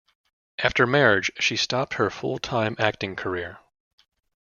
After marriage, she stopped her full-time acting career.